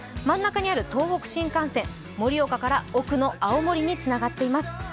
真ん中にある東北新幹線盛岡から奥の青森につながっています。